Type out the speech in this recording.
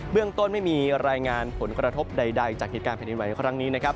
เรื่องต้นไม่มีรายงานผลกระทบใดจากเหตุการณ์แผ่นดินไหวครั้งนี้นะครับ